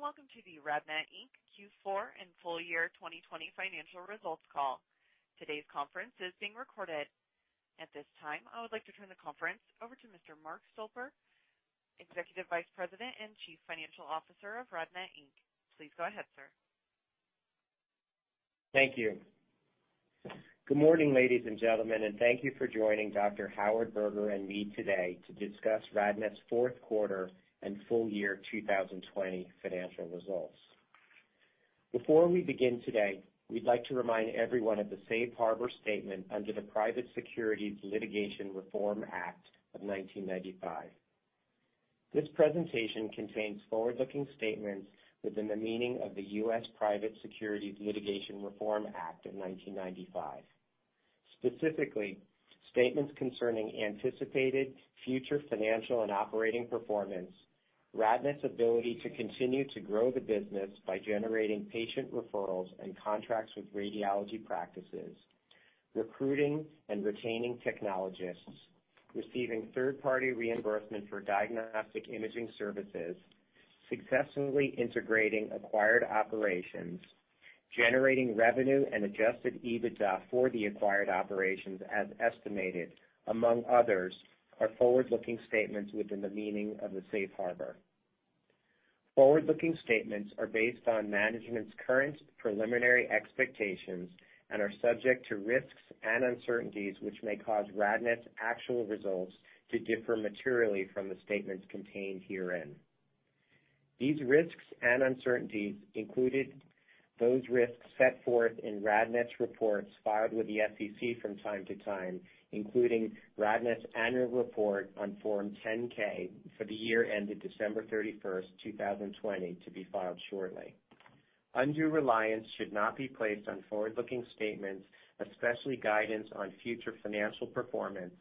Welcome to the RadNet, Inc. Q4 and full year 2020 financial results call. Today's conference is being recorded. At this time, I would like to turn the conference over to Mr. Mark Stolper, Executive Vice President and Chief Financial Officer of RadNet, Inc. Please go ahead, sir. Thank you. Good morning, ladies and gentlemen, and thank you for joining Dr. Howard Berger and me today to discuss RadNet's fourth quarter and full year 2020 financial results. Before we begin today, we'd like to remind everyone of the safe harbor statement under the Private Securities Litigation Reform Act of 1995. This presentation contains forward-looking statements within the meaning of the U.S. Private Securities Litigation Reform Act of 1995. Specifically, statements concerning anticipated future financial and operating performance, RadNet's ability to continue to grow the business by generating patient referrals and contracts with radiology practices, recruiting and retaining technologists, receiving third-party reimbursement for diagnostic imaging services, successfully integrating acquired operations, generating revenue and adjusted EBITDA for the acquired operations as estimated, among others, are forward-looking statements within the meaning of the safe harbor. Forward-looking statements are based on management's current preliminary expectations and are subject to risks and uncertainties, which may cause RadNet's actual results to differ materially from the statements contained herein. These risks and uncertainties included those risks set forth in RadNet's reports filed with the SEC from time to time, including RadNet's annual report on Form 10-K for the year ended December 31st, 2020 to be filed shortly. Undue reliance should not be placed on forward-looking statements, especially guidance on future financial performance,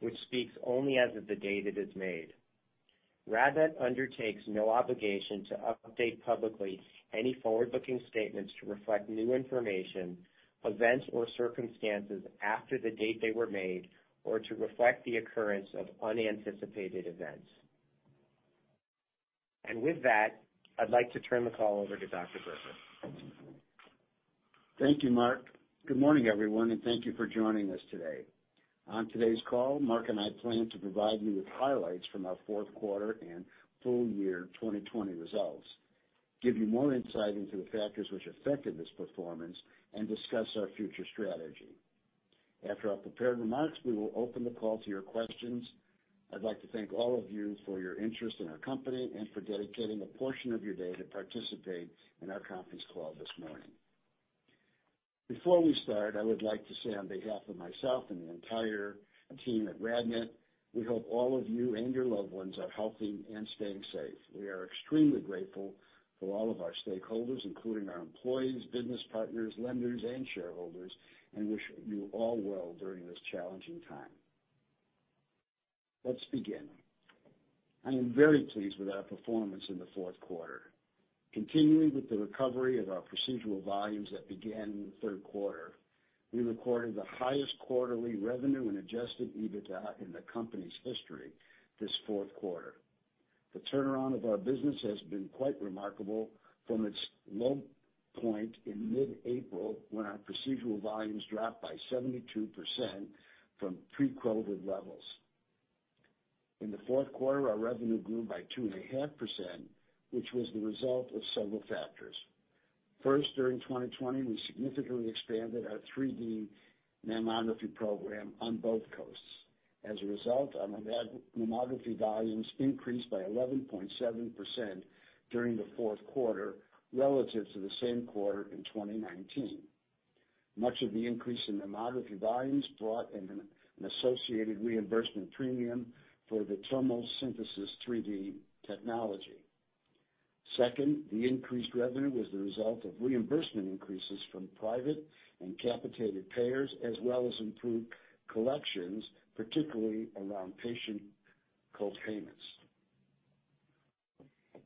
which speaks only as of the date it is made. RadNet undertakes no obligation to update publicly any forward-looking statements to reflect new information, events, or circumstances after the date they were made, or to reflect the occurrence of unanticipated events. With that, I'd like to turn the call over to Dr. Berger. Thank you, Mark. Good morning, everyone, and thank you for joining us today. On today's call, Mark and I plan to provide you with highlights from our fourth quarter and full year 2020 results, give you more insight into the factors which affected this performance, and discuss our future strategy. After our prepared remarks, we will open the call to your questions. I'd like to thank all of you for your interest in our company and for dedicating a portion of your day to participate in our conference call this morning. Before we start, I would like to say on behalf of myself and the entire team at RadNet, we hope all of you and your loved ones are healthy and staying safe. We are extremely grateful for all of our stakeholders, including our employees, business partners, lenders, and shareholders, and wish you all well during this challenging time. Let's begin. I am very pleased with our performance in the fourth quarter. Continuing with the recovery of our procedural volumes that began in the third quarter, we recorded the highest quarterly revenue and adjusted EBITDA in the company's history this fourth quarter. The turnaround of our business has been quite remarkable from its low point in mid-April when our procedural volumes dropped by 72% from pre-COVID levels. In the fourth quarter, our revenue grew by 2.5%, which was the result of several factors. First, during 2020, we significantly expanded our 3D mammography program on both coasts. As a result, our mammography volumes increased by 11.7% during the fourth quarter relative to the same quarter in 2019. Much of the increase in mammography volumes brought an associated reimbursement premium for the tomosynthesis 3D technology. Second, the increased revenue was the result of reimbursement increases from private and capitated payers, as well as improved collections, particularly around patient co-payments.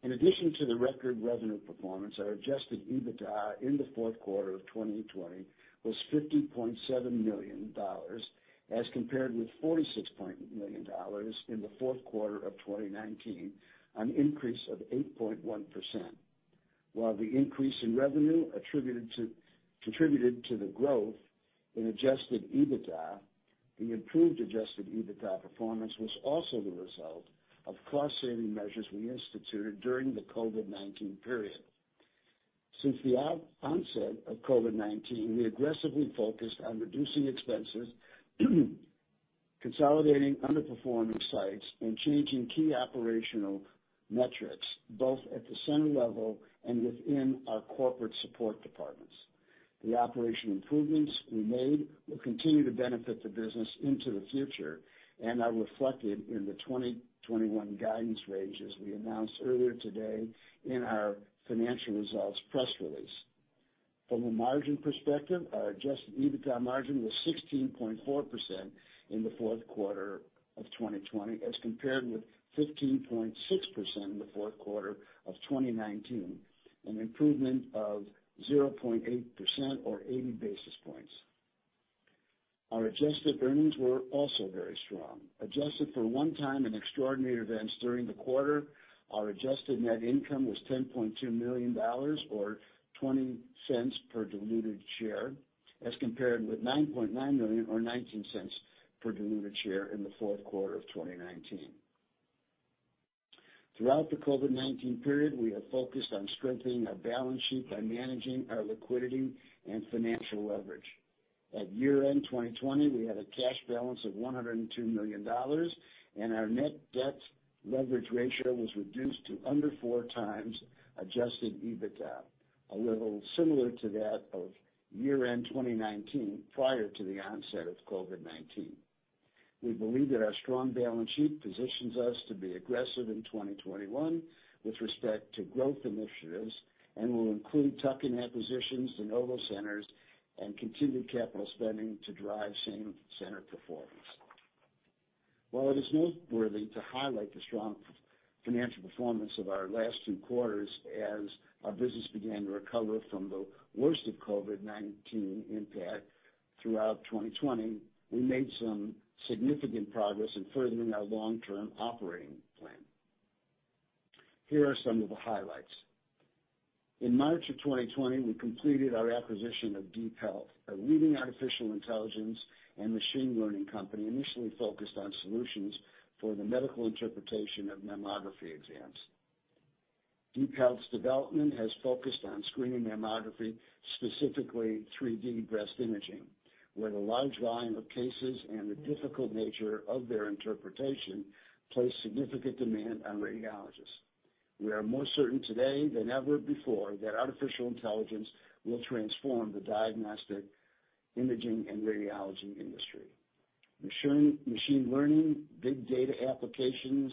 In addition to the record revenue performance, our adjusted EBITDA in the fourth quarter of 2020 was $50.7 million, as compared with [$46.9 million] in the fourth quarter of 2019, an increase of 8.1%. While the increase in revenue contributed to the growth in adjusted EBITDA, the improved adjusted EBITDA performance was also the result of cost-saving measures we instituted during the COVID-19 period. Since the onset of COVID-19, we aggressively focused on reducing expenses, consolidating underperforming sites, and changing key operational metrics, both at the center level and within our corporate support departments. The operational improvements we made will continue to benefit the business into the future and are reflected in the 2021 guidance range as we announced earlier today in our financial results press release. From a margin perspective, our adjusted EBITDA margin was 16.4% in the fourth quarter of 2020 as compared with 15.6% in the fourth quarter of 2019, an improvement of 0.8% or 80 basis points. Our adjusted earnings were also very strong. Adjusted for one-time and extraordinary events during the quarter, our adjusted net income was $10.2 million, or $0.20 per diluted share, as compared with $9.9 million or $0.19 per diluted share in the fourth quarter of 2019. Throughout the COVID-19 period, we have focused on strengthening our balance sheet by managing our liquidity and financial leverage. At year-end 2020, we had a cash balance of $102 million, and our net debt leverage ratio was reduced to under four times adjusted EBITDA, a level similar to that of year-end 2019, prior to the onset of COVID-19. We believe that our strong balance sheet positions us to be aggressive in 2021 with respect to growth initiatives, and will include tuck-in acquisitions de novo centers and continued capital spending to drive same-center performance. While it is noteworthy to highlight the strong financial performance of our last two quarters as our business began to recover from the worst of COVID-19 impact throughout 2020, we made some significant progress in furthering our long-term operating plan. Here are some of the highlights. In March of 2020, we completed our acquisition of DeepHealth, a leading artificial intelligence and machine learning company initially focused on solutions for the medical interpretation of mammography exams. DeepHealth's development has focused on screening mammography, specifically 3D breast imaging, where the large volume of cases and the difficult nature of their interpretation place significant demand on radiologists. We are more certain today than ever before that artificial intelligence will transform the diagnostic imaging and radiology industry. Machine learning, big data applications,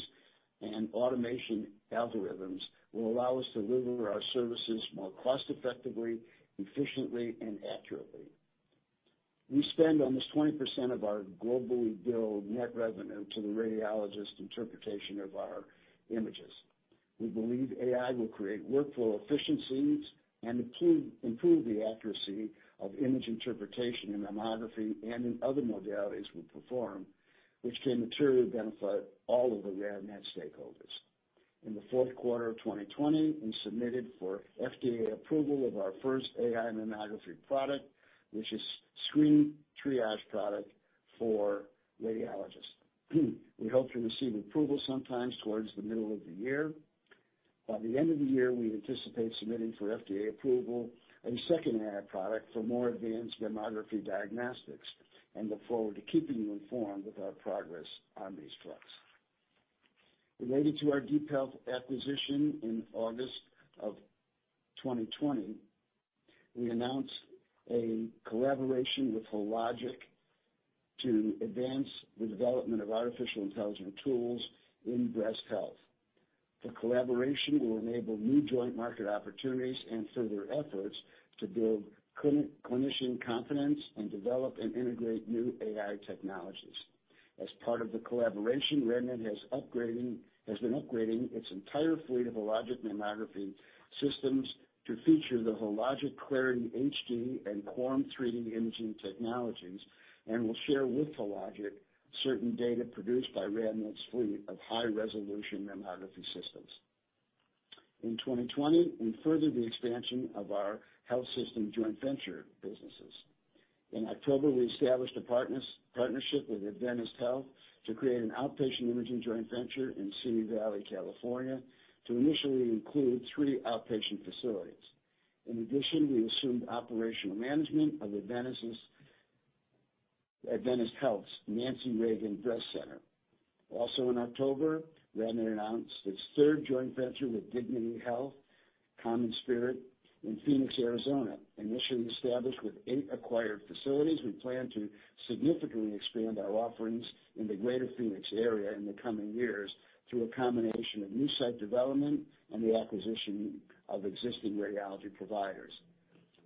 and automation algorithms will allow us to deliver our services more cost-effectively, efficiently, and accurately. We spend almost 20% of our globally billed net revenue to the radiologist interpretation of our images. We believe AI will create workflow efficiencies and improve the accuracy of image interpretation in mammography and in other modalities we perform, which can materially benefit all of the RadNet stakeholders. In the fourth quarter of 2020, we submitted for FDA approval of our first AI mammography product, which is a screen triage product for radiologists. We hope to receive approval sometime towards the middle of the year. By the end of the year, we anticipate submitting for FDA approval a second AI product for more advanced mammography diagnostics and look forward to keeping you informed with our progress on these fronts. Related to our DeepHealth acquisition in August of 2020, we announced a collaboration with Hologic to advance the development of artificial intelligence tools in breast health. The collaboration will enable new joint market opportunities and further efforts to build clinician confidence and develop and integrate new AI technologies. As part of the collaboration, RadNet has been upgrading its entire fleet of Hologic mammography systems to feature the Hologic Clarity HD and 3DQuorum imaging technologies and will share with Hologic certain data produced by RadNet's fleet of high-resolution mammography systems. In 2020, we furthered the expansion of our health system joint venture businesses. In October, we established a partnership with Adventist Health to create an outpatient imaging joint venture in Simi Valley, California, to initially include three outpatient facilities. In addition, we assumed operational management of Adventist Health's Nancy Reagan Breast Center. Also in October, RadNet announced its third joint venture with Dignity Health, CommonSpirit, in Phoenix, Arizona. Initially established with eight acquired facilities, we plan to significantly expand our offerings in the greater Phoenix area in the coming years through a combination of new site development and the acquisition of existing radiology providers.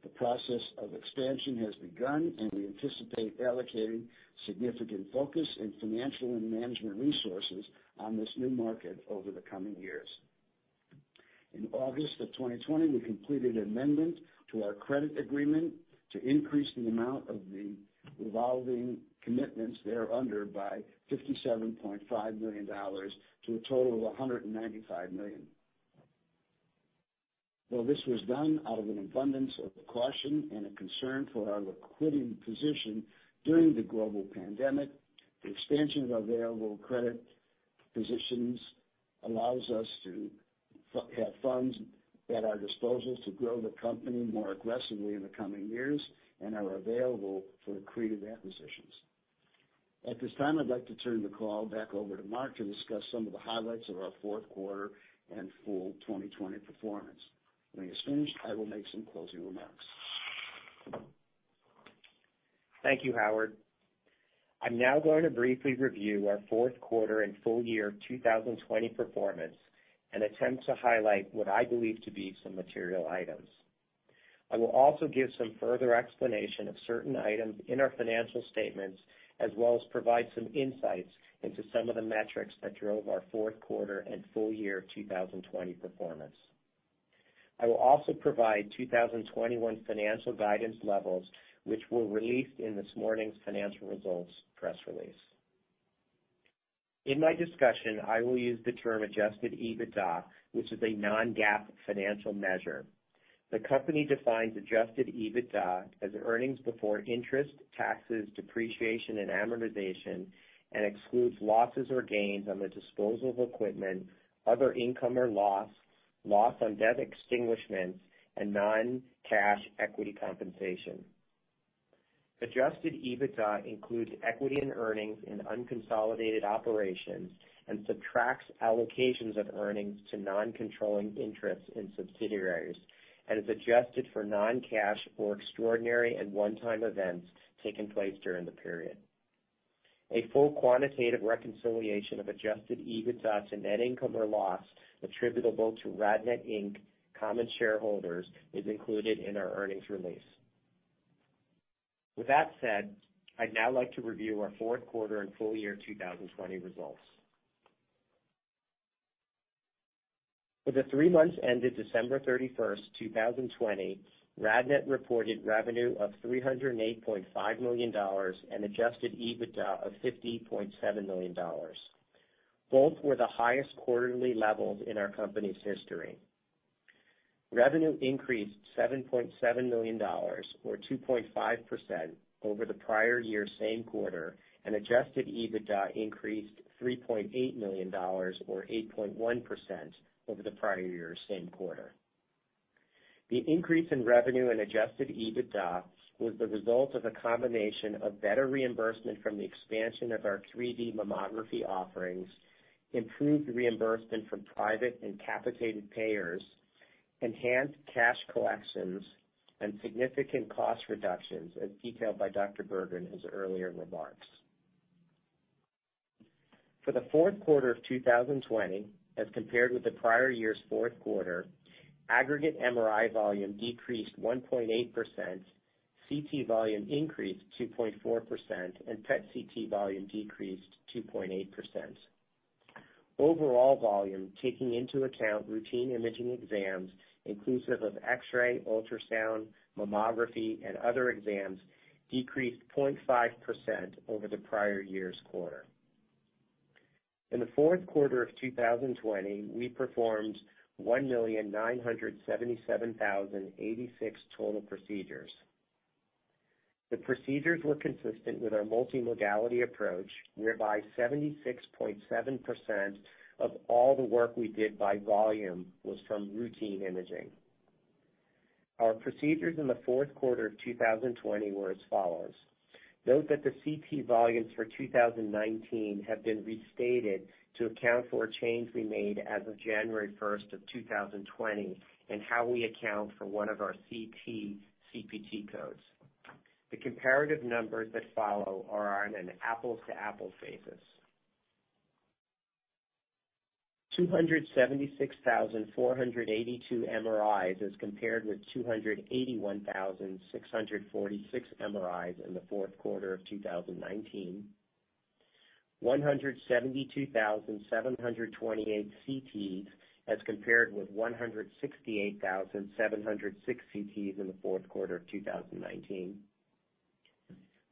The process of expansion has begun, and we anticipate allocating significant focus in financial and management resources on this new market over the coming years. In August of 2020, we completed an amendment to our credit agreement to increase the amount of the revolving commitments thereunder by $57.5 million to a total of $195 million. Though this was done out of an abundance of caution and a concern for our liquidity position during the global pandemic, the expansion of our available credit positions allows us to have funds at our disposal to grow the company more aggressively in the coming years and are available for accretive acquisitions. At this time, I'd like to turn the call back over to Mark to discuss some of the highlights of our fourth quarter and full 2020 performance. When he has finished, I will make some closing remarks. Thank you, Howard. I'm now going to briefly review our fourth quarter and full year 2020 performance and attempt to highlight what I believe to be some material items. I will also give some further explanation of certain items in our financial statements, as well as provide some insights into some of the metrics that drove our fourth quarter and full year 2020 performance. I will also provide 2021 financial guidance levels, which were released in this morning's financial results press release. In my discussion, I will use the term adjusted EBITDA, which is a non-GAAP financial measure. The company defines adjusted EBITDA as earnings before interest, taxes, depreciation, and amortization, and excludes losses or gains on the disposal of equipment, other income or loss on debt extinguishment, and non-cash equity compensation. Adjusted EBITDA includes equity and earnings in unconsolidated operations and subtracts allocations of earnings to non-controlling interests in subsidiaries and is adjusted for non-cash or extraordinary and one-time events taking place during the period. A full quantitative reconciliation of adjusted EBITDA to net income or loss attributable to RadNet, Inc. common shareholders is included in our earnings release. With that said, I'd now like to review our fourth quarter and full year 2020 results. For the three months ended December 31, 2020, RadNet reported revenue of $308.5 million and adjusted EBITDA of $50.7 million. Both were the highest quarterly levels in our company's history. Revenue increased $7.7 million or 2.5% over the prior year's same quarter, and adjusted EBITDA increased $3.8 million or 8.1% over the prior year's same quarter. The increase in revenue and adjusted EBITDA was the result of a combination of better reimbursement from the expansion of our 3D mammography offerings, improved reimbursement from private and capitated payers, enhanced cash collections, and significant cost reductions, as detailed by Dr. Berger in his earlier remarks. For the fourth quarter of 2020 as compared with the prior year's fourth quarter, aggregate MRI volume decreased 1.8%, CT volume increased 2.4%, and PET/CT volume decreased 2.8%. Overall volume, taking into account routine imaging exams inclusive of X-ray, ultrasound, mammography, and other exams, decreased 0.5% over the prior year's quarter. In the fourth quarter of 2020, we performed 1,977,086 total procedures. The procedures were consistent with our multimodality approach, whereby 76.7% of all the work we did by volume was from routine imaging. Our procedures in the fourth quarter of 2020 were as follows. Note that the CT volumes for 2019 have been restated to account for a change we made as of January 1st of 2020 in how we account for one of our CT, CPT codes. The comparative numbers that follow are on an apples-to-apples basis. 276,482 MRIs as compared with 281,646 MRIs in the fourth quarter of 2019. 172,728 CTs as compared with 168,706 CTs in the fourth quarter of 2019.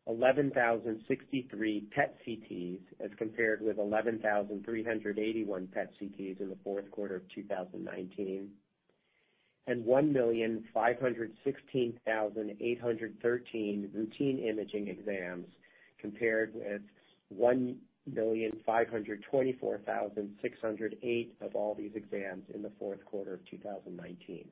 11,063 PET/CTs as compared with 11,381 PET/CTs in the fourth quarter of 2019, and 1,516,813 routine imaging exams compared with 1,524,608 of all these exams in the fourth quarter of 2019.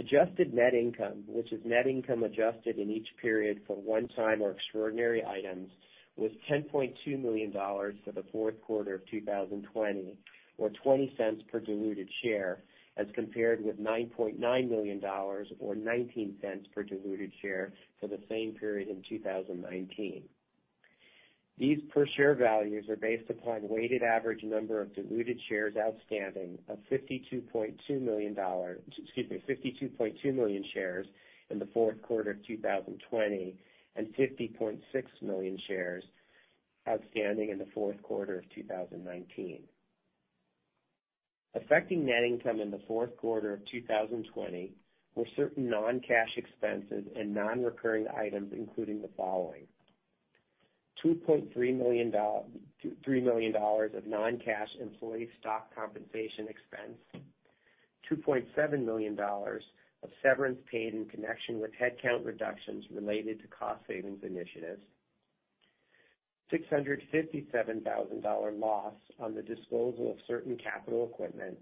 Adjusted net income, which is net income adjusted in each period for one-time or extraordinary items, was $10.2 million for the fourth quarter of 2020, or $0.20 per diluted share, as compared with $9.9 million or $0.19 per diluted share for the same period in 2019. These per share values are based upon weighted average number of diluted shares outstanding of 52.2 million shares in the fourth quarter of 2020 and 50.6 million shares outstanding in the fourth quarter of 2019. Affecting net income in the fourth quarter of 2020 were certain non-cash expenses and non-recurring items, including the following: $2.3 million of non-cash employee stock compensation expense, $2.7 million of severance paid in connection with headcount reductions related to cost savings initiatives, $657,000 loss on the disposal of certain capital equipment,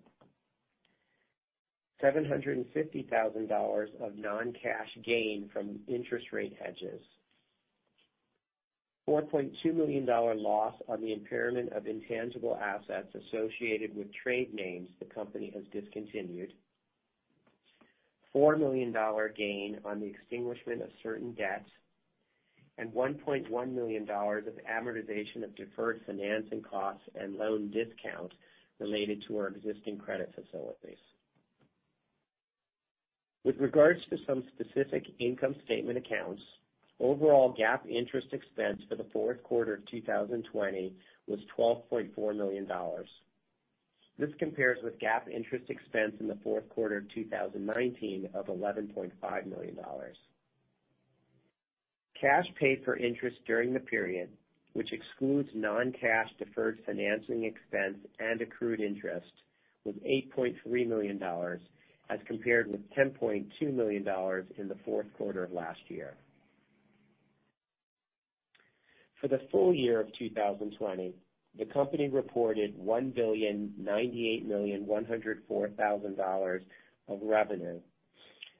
$750,000 of non-cash gain from interest rate hedges, $4.2 million loss on the impairment of intangible assets associated with trade names the company has discontinued, $4 million gain on the extinguishment of certain debts, and $1.1 million of amortization of deferred financing costs and loan discount related to our existing credit facilities. With regards to some specific income statement accounts, overall GAAP interest expense for the fourth quarter of 2020 was $12.4 million. This compares with GAAP interest expense in the fourth quarter of 2019 of $11.5 million. Cash paid for interest during the period, which excludes non-cash deferred financing expense and accrued interest, was $8.3 million as compared with $10.2 million in the fourth quarter of last year. For the full year of 2020, the company reported $1,098,104,000 of revenue,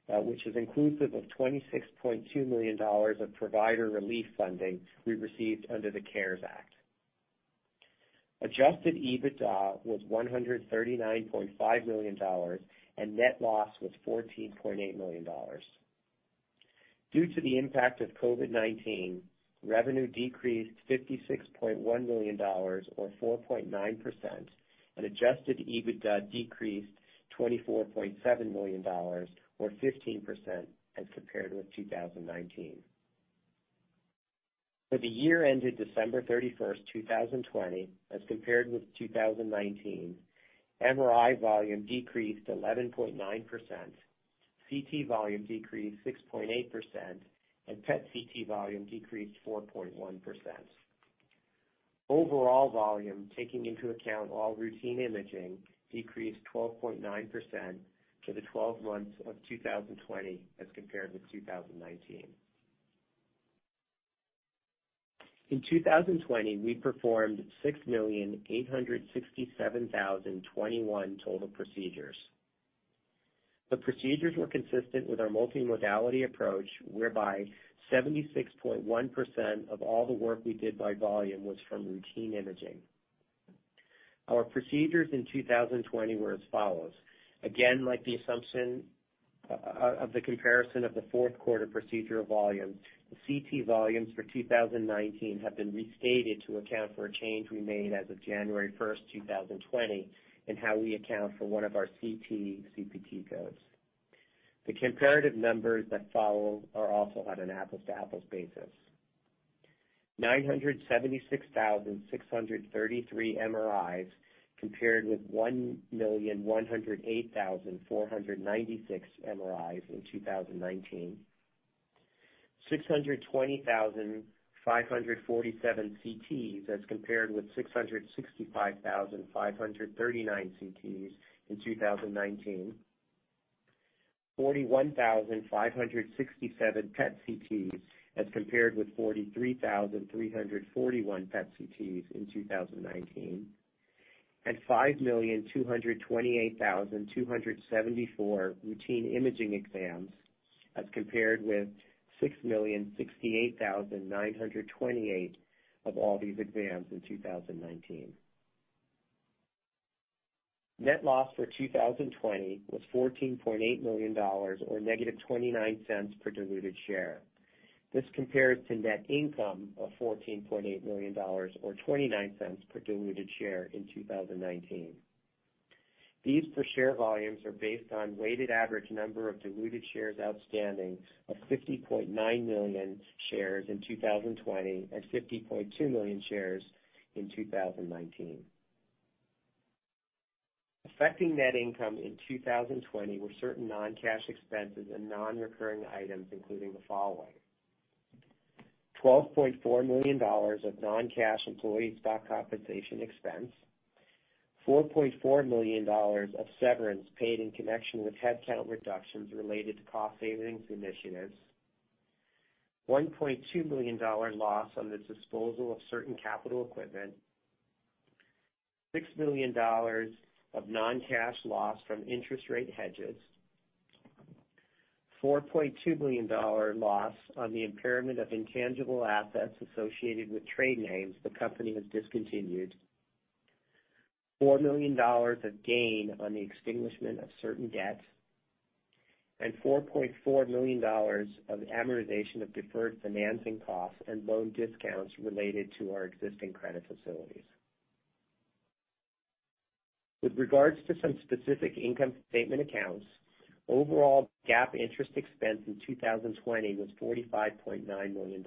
which is inclusive of $26.2 million of provider relief funding we received under the CARES Act. Adjusted EBITDA was $139.5 million, and net loss was $14.8 million. Due to the impact of COVID-19, revenue decreased $56.1 million or 4.9%, and adjusted EBITDA decreased $24.7 million or 15% as compared with 2019. For the year ended December 31st, 2020, as compared with 2019, MRI volume decreased 11.9%, CT volume decreased 6.8%, and PET/CT volume decreased 4.1%. Overall volume, taking into account all routine imaging, decreased 12.9% for the 12 months of 2020 as compared with 2019. In 2020, we performed 6,867,021 total procedures. The procedures were consistent with our multimodality approach, whereby 76.1% of all the work we did by volume was from routine imaging. Our procedures in 2020 were as follows. Again, like the assumption of the comparison of the fourth quarter procedural volume, the CT volumes for 2019 have been restated to account for a change we made as of January 1st, 2020 in how we account for one of our CT, CPT codes. The comparative numbers that follow are also on an apples-to-apples basis. 976,633 MRIs compared with 1,108,496 MRIs in 2019. 620,547 CTs as compared with 665,539 CTs in 2019. 41,567 PET/CTs as compared with 43,341 PET/CTs in 2019. 5,228,274 routine imaging exams as compared with 6,068,928 of all these exams in 2019. Net loss for 2020 was $14.8 million or -$0.29 per diluted share. This compares to net income of $14.8 million or $0.29 per diluted share in 2019. These per share volumes are based on weighted average number of diluted shares outstanding of 50.9 million shares in 2020 and 50.2 million shares in 2019. Affecting net income in 2020 were certain non-cash expenses and non-recurring items, including the following, $12.4 million of non-cash employee stock compensation expense, $4.4 million of severance paid in connection with headcount reductions related to cost savings initiatives, $1.2 million loss on the disposal of certain capital equipment, $6 million of non-cash loss from interest rate hedges, $4.2 million loss on the impairment of intangible assets associated with trade names the company has discontinued, $4 million of gain on the extinguishment of certain debts, and $4.4 million of amortization of deferred financing costs and loan discounts related to our existing credit facilities. With regards to some specific income statement accounts, overall GAAP interest expense in 2020 was $45.9 million.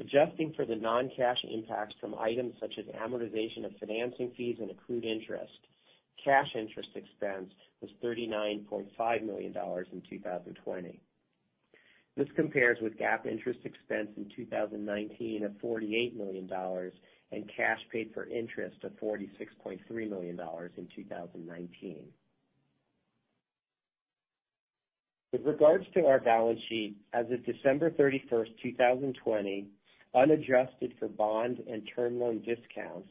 Adjusting for the non-cash impacts from items such as amortization of financing fees and accrued interest, cash interest expense was $39.5 million in 2020. This compares with GAAP interest expense in 2019 of $48 million and cash paid for interest of $46.3 million in 2019. With regards to our balance sheet, as of December 31st, 2020, unadjusted for bond and term loan discounts,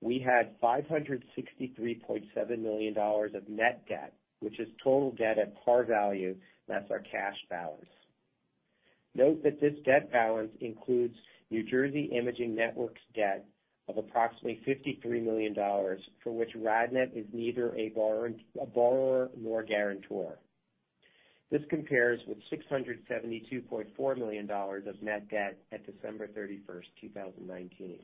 we had $563.7 million of net debt, which is total debt at par value less our cash balance. Note that this debt balance includes New Jersey Imaging Network's debt of approximately $53 million for which RadNet is neither a borrower nor guarantor. This compares with $672.4 million of net debt at December 31, 2019.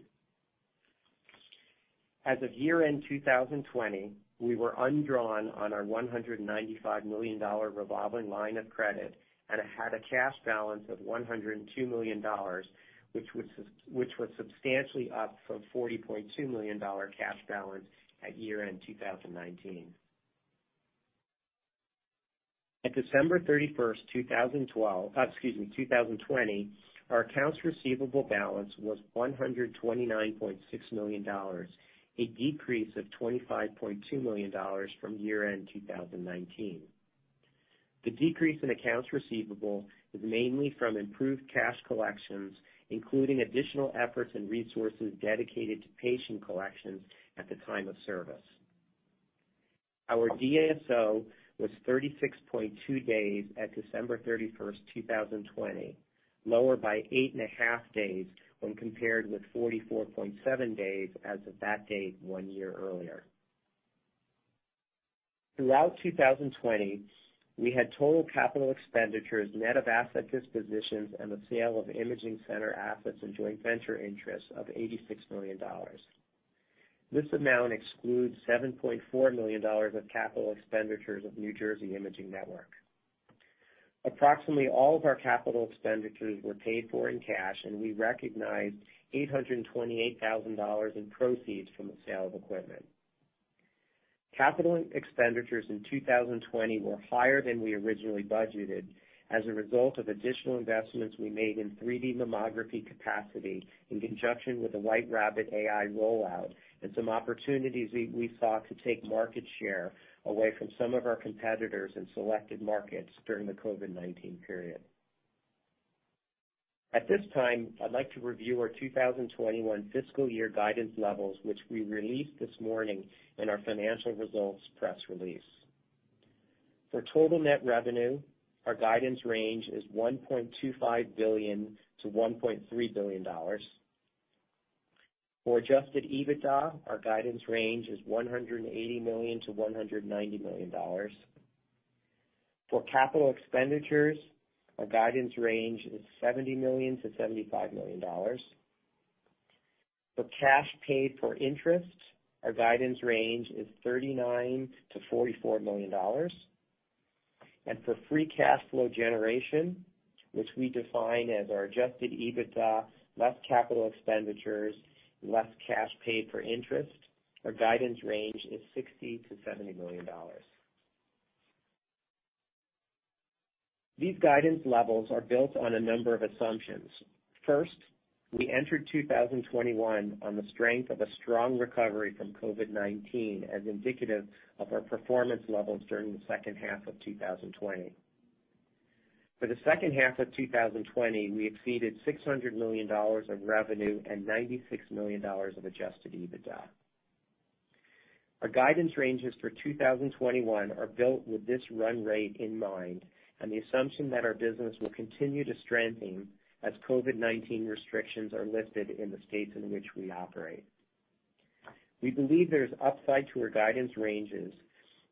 As of year-end 2020, we were undrawn on our $195 million revolving line of credit and had a cash balance of $102 million, which was substantially up from $40.2 million cash balance at year-end 2019. At December 31, 2012, excuse me, 2020, our accounts receivable balance was $129.6 million, a decrease of $25.2 million from year-end 2019. The decrease in accounts receivable is mainly from improved cash collections, including additional efforts and resources dedicated to patient collections at the time of service. Our DSO was 36.2 days at December 31, 2020, lower by 8.5 days when compared with 44.7 days as of that date one year earlier. Throughout 2020, we had total capital expenditures, net of asset dispositions, and the sale of imaging center assets and joint venture interests of $86 million. This amount excludes $7.4 million of capital expenditures of New Jersey Imaging Network. Approximately all of our capital expenditures were paid for in cash, and we recognized $828,000 in proceeds from the sale of equipment. Capital expenditures in 2020 were higher than we originally budgeted as a result of additional investments we made in 3D mammography capacity in conjunction with the Whiterabbit AI rollout and some opportunities we saw to take market share away from some of our competitors in selected markets during the COVID-19 period. At this time, I'd like to review our 2021 fiscal year guidance levels, which we released this morning in our financial results press release. For total net revenue, our guidance range is $1.25 billion-$1.3 billion. For adjusted EBITDA, our guidance range is $180 million-$190 million. For capital expenditures, our guidance range is $70 million-$75 million. For cash paid for interest, our guidance range is $39 million-$44 million. For free cash flow generation, which we define as our adjusted EBITDA, less capital expenditures, less cash paid for interest, our guidance range is $60 million-$70 million. These guidance levels are built on a number of assumptions. First, we entered 2021 on the strength of a strong recovery from COVID-19 as indicative of our performance levels during the second half of 2020. For the second half of 2020, we exceeded $600 million of revenue and $96 million of adjusted EBITDA. Our guidance ranges for 2021 are built with this run rate in mind and the assumption that our business will continue to strengthen as COVID-19 restrictions are lifted in the states in which we operate. We believe there's upside to our guidance ranges,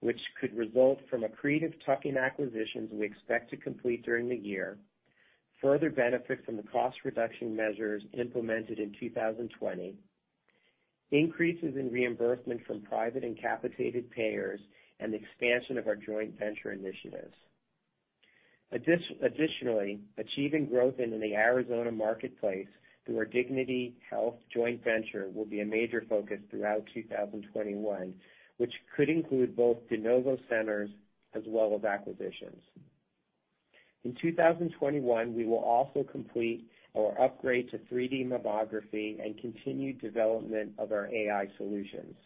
which could result from accretive tuck-in acquisitions we expect to complete during the year, further benefit from the cost reduction measures implemented in 2020, increases in reimbursement from private and capitated payers, and the expansion of our joint venture initiatives. Additionally, achieving growth in the Arizona marketplace through our Dignity Health joint venture will be a major focus throughout 2021, which could include both de novo centers as well as acquisitions. In 2021, we will also complete our upgrade to 3D mammography and continued development of our AI solutions.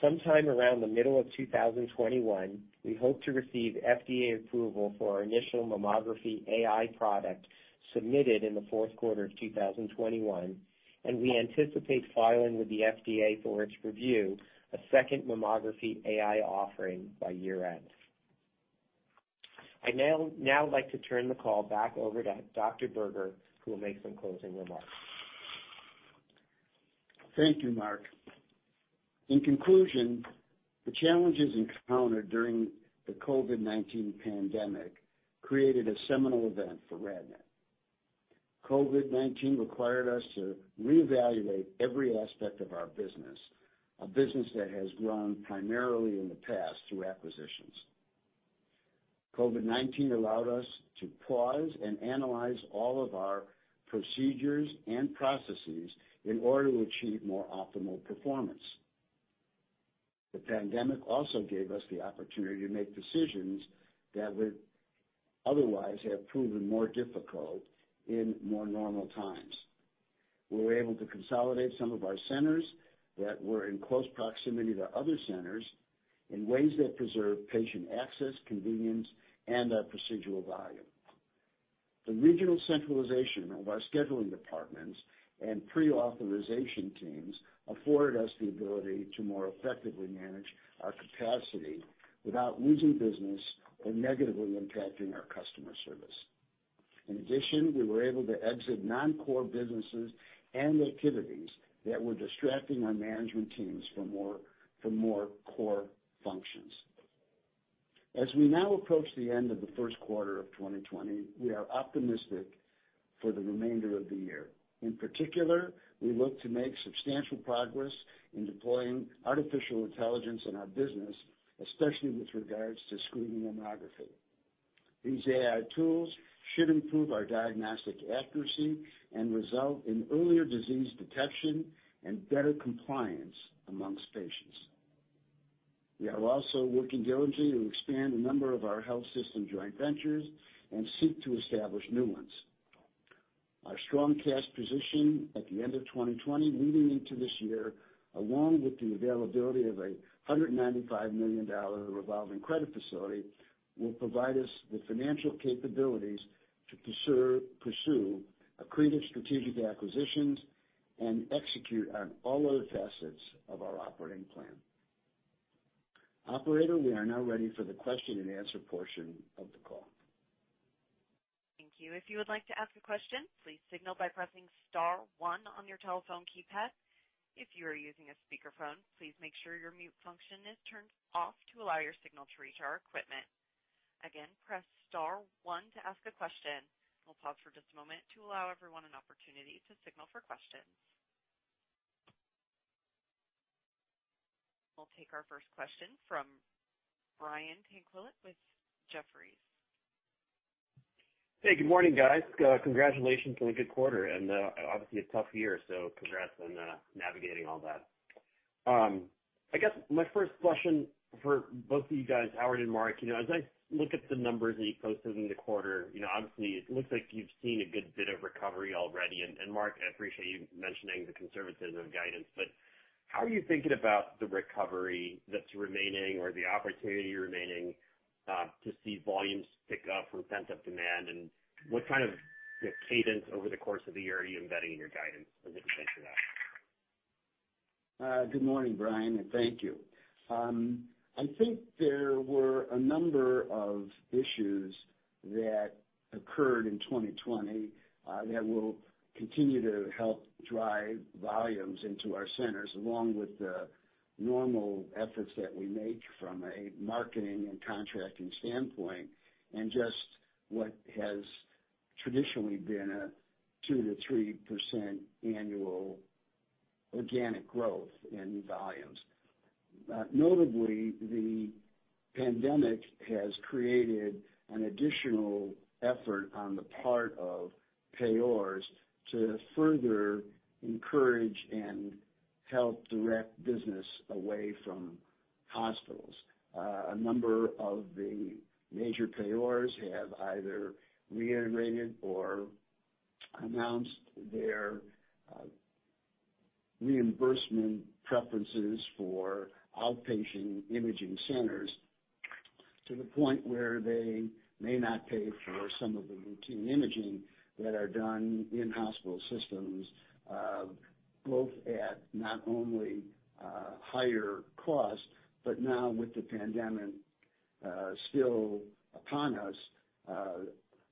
Sometime around the middle of 2021, we hope to receive FDA approval for our initial mammography AI product submitted in the fourth quarter of 2021, and we anticipate filing with the FDA for its review a second mammography AI offering by year-end. I'd now like to turn the call back over to Dr. Berger, who will make some closing remarks. Thank you, Mark. In conclusion, the challenges encountered during the COVID-19 pandemic created a seminal event for RadNet. COVID-19 required us to reevaluate every aspect of our business, a business that has grown primarily in the past through acquisitions. COVID-19 allowed us to pause and analyze all of our procedures and processes in order to achieve more optimal performance. The pandemic also gave us the opportunity to make decisions that would otherwise have proven more difficult in more normal times. We were able to consolidate some of our centers that were in close proximity to other centers in ways that preserve patient access, convenience, and our procedural volume. The regional centralization of our scheduling departments and pre-authorization teams afforded us the ability to more effectively manage our capacity without losing business or negatively impacting our customer service. In addition, we were able to exit non-core businesses and activities that were distracting our management teams from more core functions. As we now approach the end of the first quarter of 2020, we are optimistic for the remainder of the year. In particular, we look to make substantial progress in deploying artificial intelligence in our business, especially with regards to screening mammography. These AI tools should improve our diagnostic accuracy and result in earlier disease detection and better compliance amongst patients. We are also working diligently to expand a number of our health system joint ventures and seek to establish new ones. Our strong cash position at the end of 2020 leading into this year, along with the availability of a $195 million revolving credit facility, will provide us the financial capabilities to pursue accretive strategic acquisitions and execute on all other facets of our operating plan. Operator, we are now ready for the question and answer portion of the call. Thank you. If you would like to ask a question, please signal by pressing star one on your telephone keypad. If you are using a speakerphone, please make sure your mute function is turned off to allow your signal to reach our equipment. Again, press star one to ask a question. We'll pause for just a moment to allow everyone an opportunity to signal for questions. We'll take our first question from Brian Tanquilut with Jefferies. Hey, good morning, guys. Congratulations on a good quarter. Obviously a tough year, congrats on navigating all that. I guess my first question for both of you guys, Howard and Mark, as I look at the numbers that you posted in the quarter, obviously it looks like you've seen a good bit of recovery already. Mark, I appreciate you mentioning the conservatism of guidance, how are you thinking about the recovery that's remaining or the opportunity remaining to see volumes pick up from pent-up demand, and what kind of cadence over the course of the year are you embedding in your guidance as it relates to that? Good morning, Brian, and thank you. I think there were a number of issues that occurred in 2020 that will continue to help drive volumes into our centers, along with the normal efforts that we make from a marketing and contracting standpoint, and just what has traditionally been a 2%-3% annual organic growth in volumes. Notably, the pandemic has created an additional effort on the part of payers to further encourage and help direct business away from hospitals. A number of the major payors have either reiterated or announced their reimbursement preferences for outpatient imaging centers to the point where they may not pay for some of the routine imaging that are done in hospital systems, both at not only higher cost, but now with the pandemic still upon us,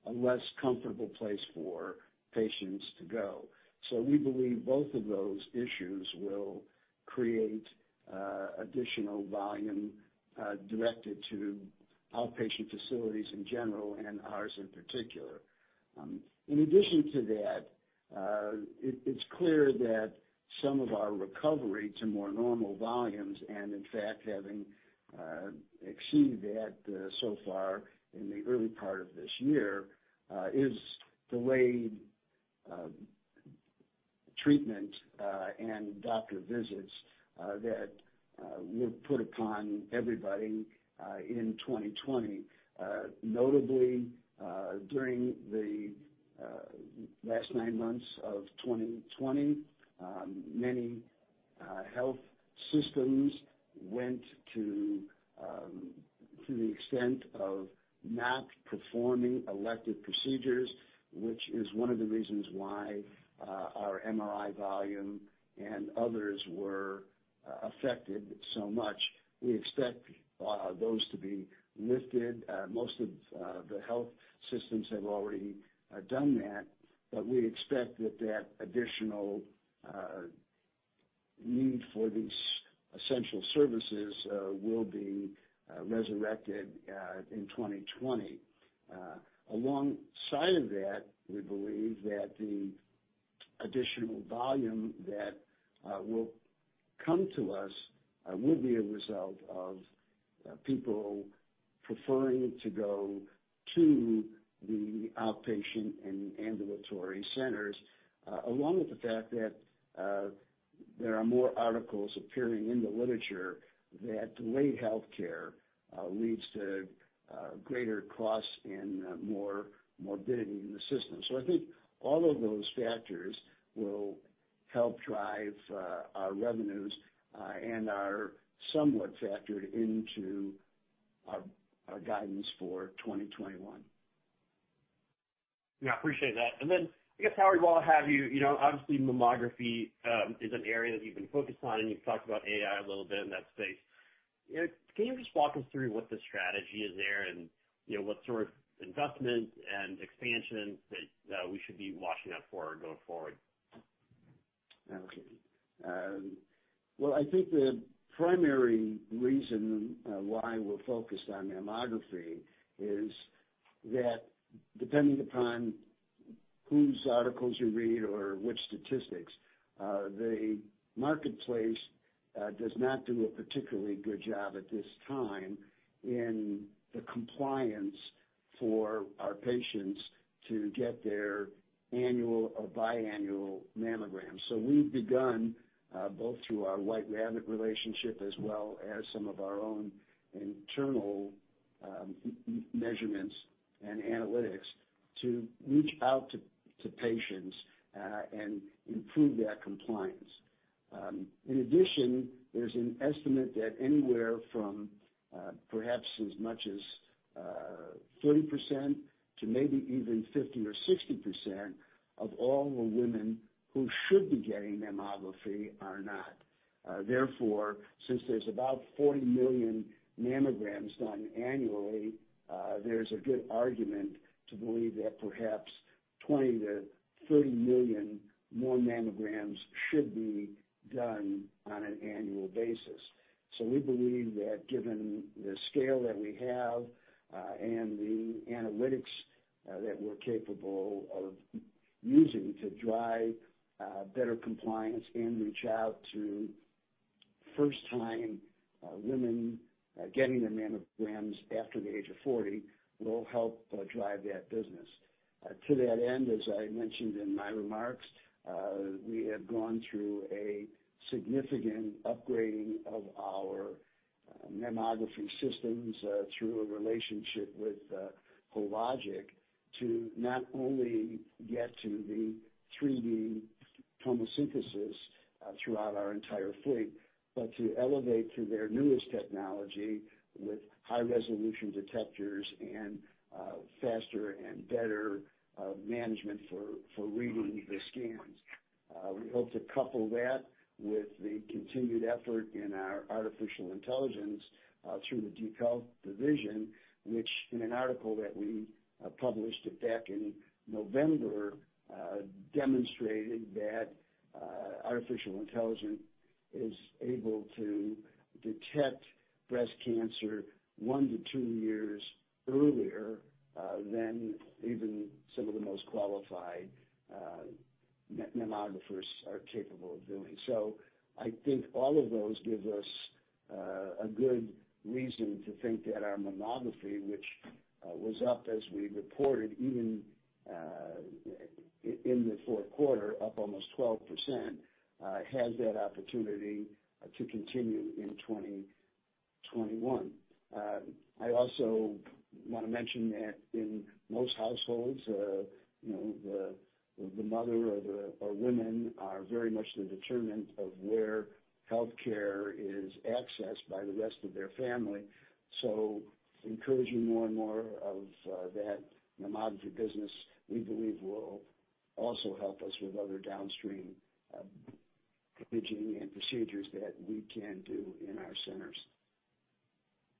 a less comfortable place for patients to go. We believe both of those issues will create additional volume directed to outpatient facilities in general and ours in particular. In addition to that, it's clear that some of our recovery to more normal volumes, and in fact, having exceeded that so far in the early part of this year, is delayed treatment and doctor visits that were put upon everybody in 2020. Notably, during the last nine months of 2020, many health systems went to the extent of not performing elective procedures, which is one of the reasons why our MRI volume and others were affected so much. We expect those to be lifted. Most of the health systems have already done that, we expect that additional need for these essential services will be resurrected in 2020. Alongside of that, we believe that the additional volume that will come to us will be a result of people preferring to go to the outpatient and ambulatory centers, along with the fact that there are more articles appearing in the literature that delayed healthcare leads to greater costs and more morbidity in the system. I think all of those factors will help drive our revenues and are somewhat factored into our guidance for 2021. Yeah, appreciate that. Then I guess, Howard, while I have you, obviously mammography is an area that you've been focused on, and you've talked about AI a little bit in that space. Can you just walk us through what the strategy is there and what sort of investments and expansions that we should be watching out for going forward? Well, I think the primary reason why we're focused on mammography is that depending upon whose articles you read or which statistics, the marketplace does not do a particularly good job at this time in the compliance for our patients to get their annual or biannual mammogram. We've begun, both through our Whiterabbit relationship as well as some of our own internal measurements and analytics, to reach out to patients and improve that compliance. In addition, there's an estimate that anywhere from perhaps as much as 30% to maybe even 50% or 60% of all the women who should be getting mammography are not. Since there's about 40 million mammograms done annually, there's a good argument to believe that perhaps 20 million-30 million more mammograms should be done on an annual basis. We believe that given the scale that we have and the analytics that we're capable of using to drive better compliance and reach out to first-time women getting their mammograms after the age of 40 will help drive that business. To that end, as I mentioned in my remarks, we have gone through a significant upgrading of our mammography systems through a relationship with Hologic to not only get to the 3D tomosynthesis throughout our entire fleet, but to elevate to their newest technology with high-resolution detectors and faster and better management for reading the scans. We hope to couple that with the continued effort in our artificial intelligence through the DeepHealth division, which in an article that we published back in November, demonstrated that artificial intelligence is able to detect breast cancer one to two years earlier than even some of the most qualified mammographers are capable of doing. I think all of those give us a good reason to think that our mammography, which was up as we reported even in the fourth quarter, up almost 12%, has that opportunity to continue in 2021. I also want to mention that in most households, the mother or women are very much the determinant of where healthcare is accessed by the rest of their family. Encouraging more and more of that mammography business, we believe will also help us with other downstream imaging and procedures that we can do in our centers.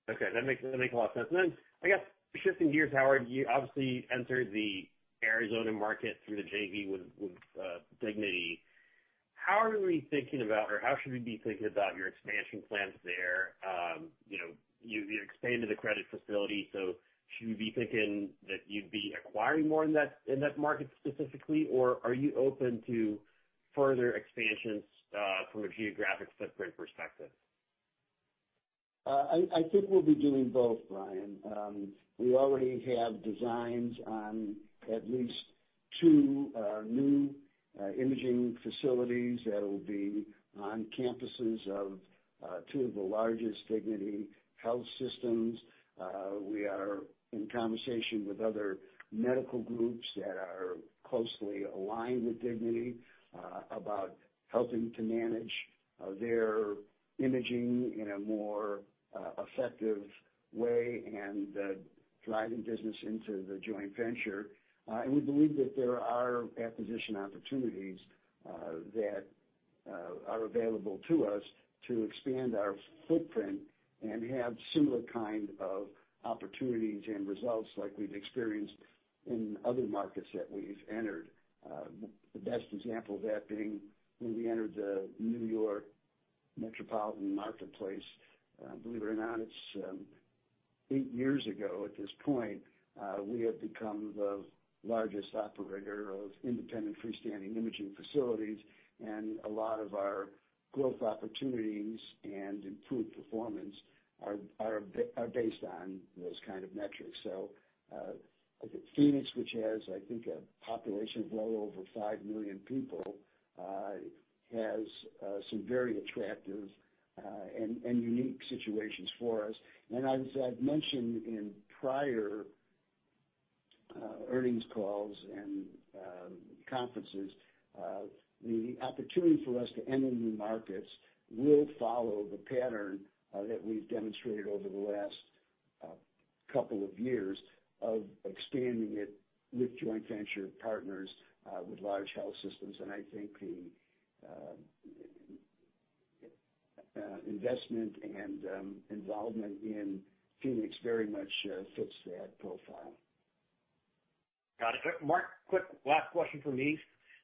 Okay, that makes a lot of sense. Then, I guess, shifting gears, Howard, you obviously entered the Arizona market through the JV with Dignity. How are we thinking about, or how should we be thinking about your expansion plans there? You've expanded the credit facility, so should we be thinking that you'd be acquiring more in that market specifically, or are you open to further expansions from a geographic footprint perspective? I think we'll be doing both, Brian. We already have designs on at least two new imaging facilities that'll be on campuses of two of the largest Dignity Health systems. We are in conversation with other medical groups that are closely aligned with Dignity about helping to manage their imaging in a more effective way and driving business into the joint venture. We believe that there are acquisition opportunities that are available to us to expand our footprint and have similar kind of opportunities and results like we've experienced in other markets that we've entered. The best example of that being when we entered the New York Metropolitan marketplace. Believe it or not, it's eight years ago at this point, we have become the largest operator of independent freestanding imaging facilities, and a lot of our growth opportunities and improved performance are based on those kind of metrics. I think Phoenix, which has, I think, a population of well over five million people, has some very attractive and unique situations for us. As I've mentioned in prior earnings calls and conferences, the opportunity for us to enter new markets will follow the pattern that we've demonstrated over the last couple of years of expanding it with joint venture partners with large health systems. I think the investment and involvement in Phoenix very much fits that profile. Got it. Mark, quick last question from me.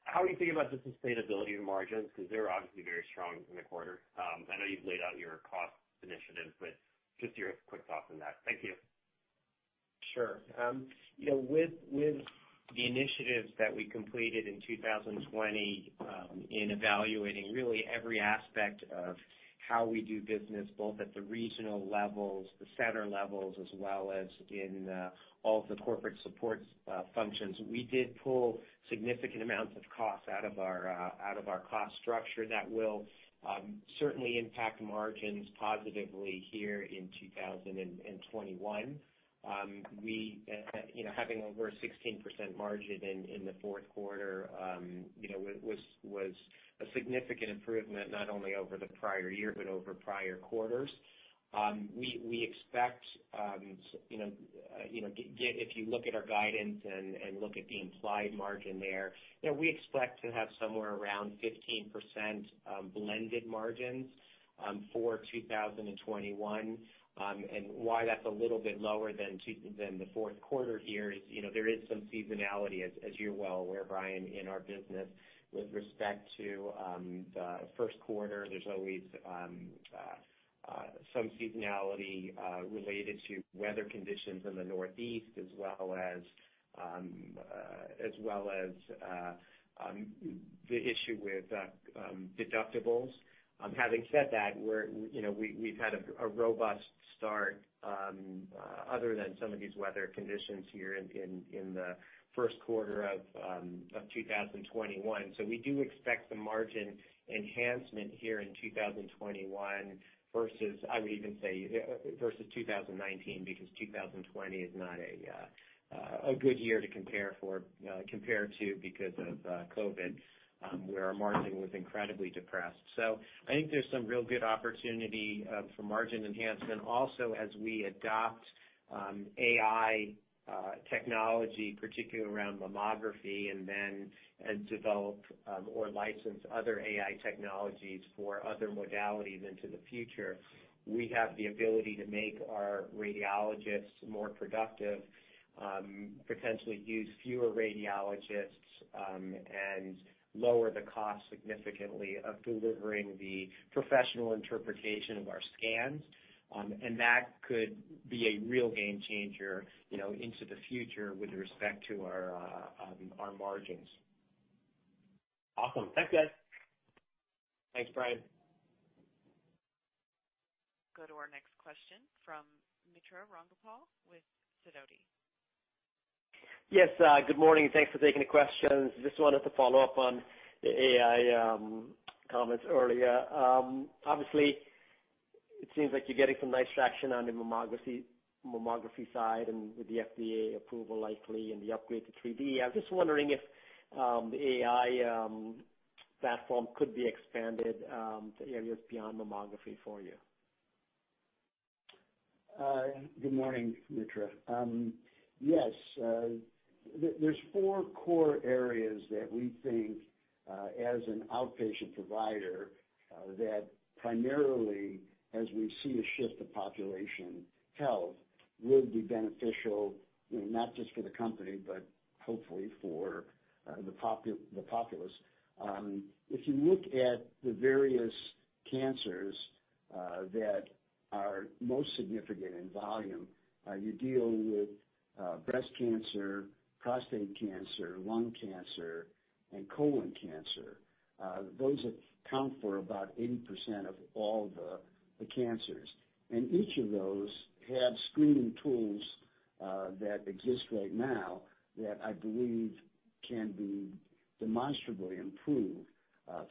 How do you think about the sustainability of the margins? They're obviously very strong in the quarter. I know you've laid out your cost initiatives, but just your quick thoughts on that. Thank you. Sure. With the initiatives that we completed in 2020, in evaluating really every aspect of how we do business, both at the regional levels, the center levels, as well as in all of the corporate support functions, we did pull significant amounts of costs out of our cost structure that will certainly impact margins positively here in 2021. Having over a 16% margin in the fourth quarter was a significant improvement, not only over the prior year, but over prior quarters. If you look at our guidance and look at the implied margin there, we expect to have somewhere around 15% blended margins for 2021. Why that's a little bit lower than the fourth quarter here is there is some seasonality as you're well aware, Brian, in our business. With respect to the first quarter, there's always some seasonality related to weather conditions in the Northeast as well as the issue with deductibles. Having said that, we've had a robust start other than some of these weather conditions here in the first quarter of 2021. We do expect some margin enhancement here in 2021 versus, I would even say, versus 2019 because 2020 is not a good year to compare to because of COVID, where our margin was incredibly depressed. I think there's some real good opportunity for margin enhancement. Also, as we adopt AI technology, particularly around mammography, and develop or license other AI technologies for other modalities into the future, we have the ability to make our radiologists more productive, potentially use fewer radiologists, and lower the cost significantly of delivering the professional interpretation of our scans. That could be a real game changer into the future with respect to our margins. Awesome. Thanks, guys. Thanks, Brian. We go to our next question from Mitra Ramgopal with Sidoti. Yes, good morning and thanks for taking the questions. Just wanted to follow up on the AI comments earlier. Obviously, it seems like you're getting some nice traction on the mammography side and with the FDA approval likely and the upgrade to 3D. I was just wondering if the AI platform could be expanded to areas beyond mammography for you. Good morning, Mitra. Yes. There's four core areas that we think as an outpatient provider that primarily as we see a shift to population health would be beneficial not just for the company, but hopefully for the populace. If you look at the various cancers that are most significant in volume, you deal with breast cancer, prostate cancer, lung cancer, and colon cancer. Those account for about 80% of all the cancers. Each of those have screening tools that exist right now that I believe can be demonstrably improved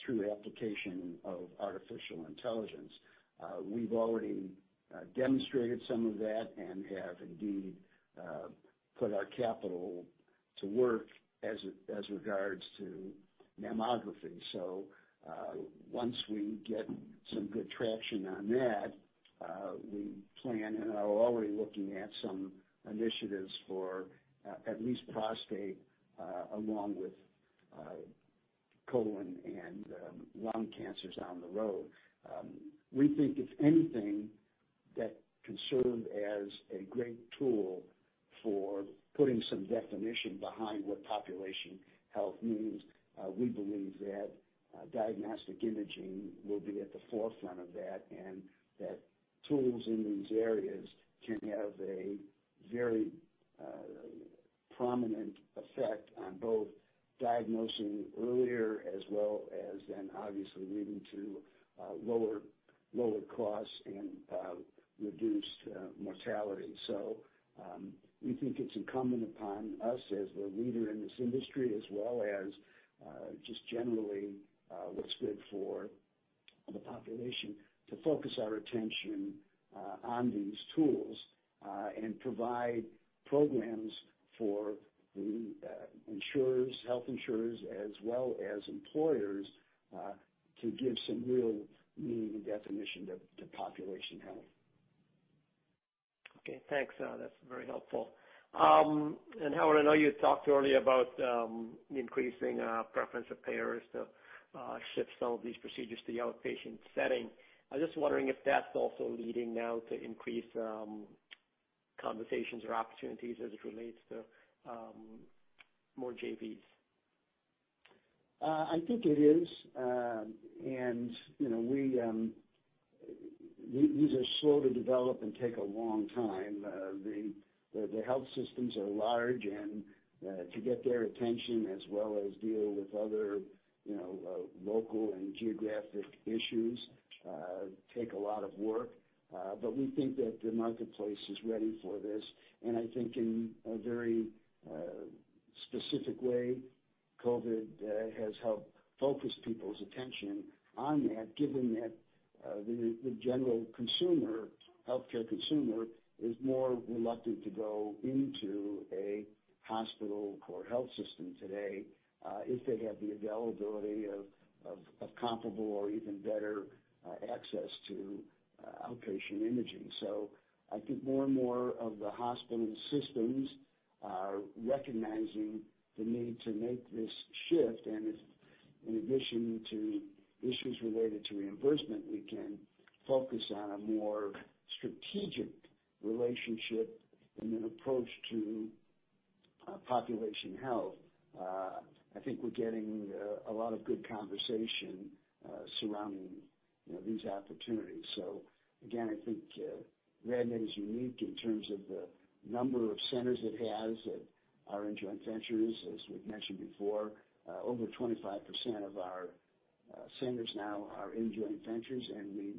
through application of artificial intelligence. We've already demonstrated some of that and have indeed put our capital to work as regards to mammography. Once we get some good traction on that, we plan and are already looking at some initiatives for at least prostate along with colon and lung cancers down the road. We think if anything that can serve as a great tool for putting some definition behind what population health means, we believe that diagnostic imaging will be at the forefront of that, and that tools in these areas can have a very prominent effect on both diagnosing earlier as well as then obviously leading to lower costs and reduced mortality. We think it's incumbent upon us as the leader in this industry, as well as just generally what's good for the population to focus our attention on these tools and provide programs for the health insurers as well as employers to give some real meaning and definition to population health. Okay, thanks. That's very helpful. Howard, I know you talked earlier about the increasing preference of payers to shift some of these procedures to the outpatient setting. I was just wondering if that's also leading now to increased conversations or opportunities as it relates to more JVs. I think it is. These are slow to develop and take a long time. The health systems are large, and to get their attention as well as deal with other local and geographic issues take a lot of work. We think that the marketplace is ready for this, and I think in a very specific way, COVID has helped focus people's attention on that, given that the general healthcare consumer is more reluctant to go into a hospital or health system today if they have the availability of comparable or even better access to outpatient imaging. I think more and more of the hospital systems are recognizing the need to make this shift. If in addition to issues related to reimbursement, we can focus on a more strategic relationship and an approach to population health, I think we're getting a lot of good conversation surrounding these opportunities. Again, I think RadNet is unique in terms of the number of centers it has that are in joint ventures. As we've mentioned before, over 25% of our centers now are in joint ventures, and we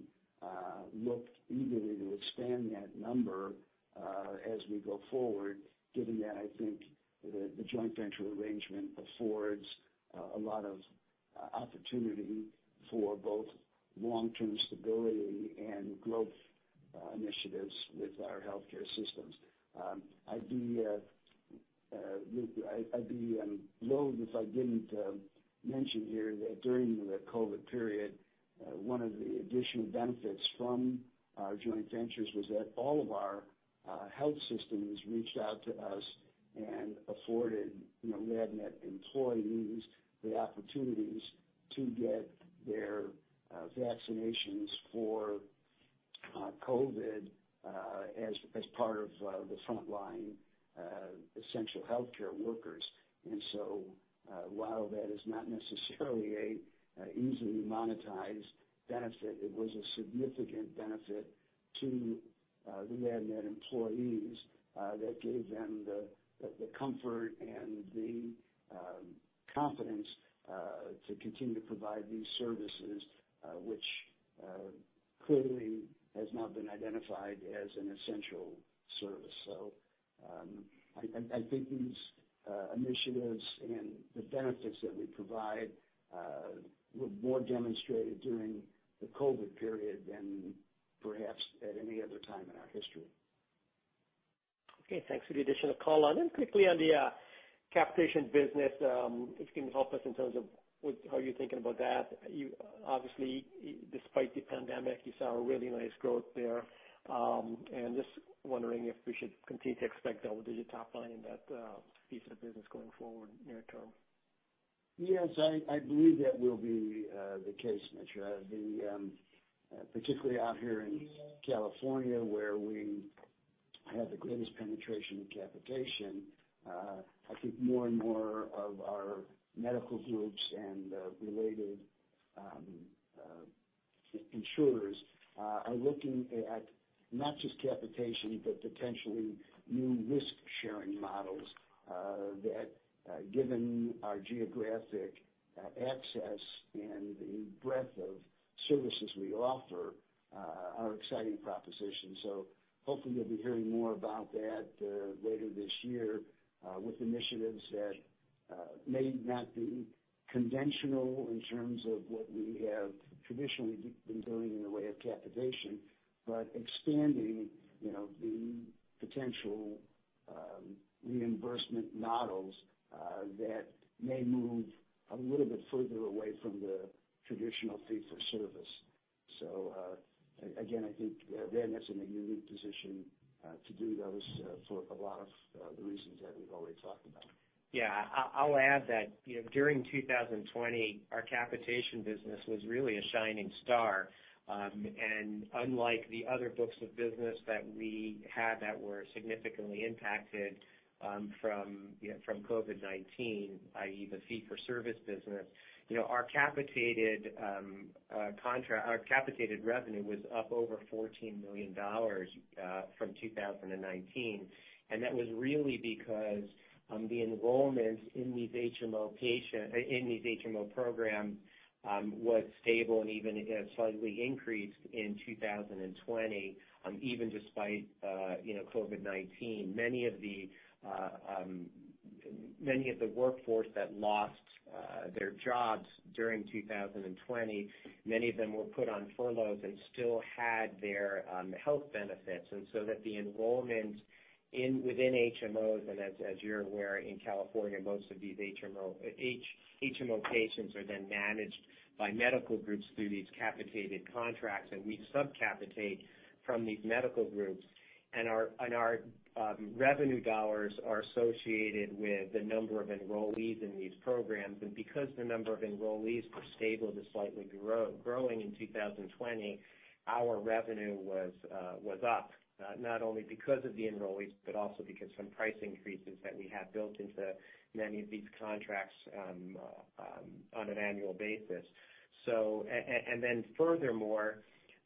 look eagerly to expand that number as we go forward, given that I think the joint venture arrangement affords a lot of opportunity for both long-term stability and growth initiatives with our healthcare systems. I'd remiss if I didn't mention here that during the COVID period, one of the additional benefits from our joint ventures was that all of our health systems reached out to us and afforded RadNet employees the opportunities to get their vaccinations for COVID as part of the frontline essential healthcare workers. While that is not necessarily an easily monetized benefit, it was a significant benefit to the RadNet employees that gave them the comfort and the confidence to continue to provide these services, which clearly has not been identified as an essential service. I think these initiatives and the benefits that we provide were more demonstrated during the COVID period than perhaps at any other time in our history. Okay, thanks for the additional color. Then quickly on the capitation business, if you can help us in terms of how you're thinking about that. Obviously, despite the pandemic, you saw a really nice growth there. Just wondering if we should continue to expect double-digit top line in that piece of the business going forward near-term. Yes, I believe that will be the case, Mitra. Particularly out here in California, where we have the greatest penetration in capitation. I think more and more of our medical groups and related insurers are looking at not just capitation, but potentially new risk-sharing models that, given our geographic access and the breadth of services we offer, are exciting propositions. Hopefully you'll be hearing more about that later this year with initiatives that may not be conventional in terms of what we have traditionally been doing in the way of capitation, but expanding the potential reimbursement models that may move a little bit further away from the traditional fee-for-service. Again, I think RadNet's in a unique position to do those for a lot of the reasons that we've already talked about. Yeah. I'll add that during 2020, our capitation business was really a shining star. Unlike the other books of business that we had that were significantly impacted from COVID-19, i.e., the fee-for-service business, our capitated revenue was up over $14 million from 2019. That was really because the enrollments in these HMO programs was stable and even slightly increased in 2020, even despite COVID-19. Many of the workforce that lost their jobs during 2020, many of them were put on furloughs and still had their health benefits. The enrollment within HMOs, and as you're aware, in California, most of these HMO patients are then managed by medical groups through these capitated contracts. We sub-capitate from these medical groups, our revenue dollars are associated with the number of enrollees in these programs. Because the number of enrollees were stable to slightly growing in 2020, our revenue was up, not only because of the enrollees, but also because some price increases that we have built into many of these contracts on an annual basis. Furthermore,